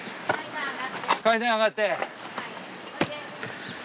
階段上がって。